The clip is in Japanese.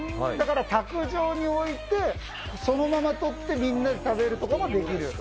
だから卓上に置いて、そのまま取って、みんなで食べることができる。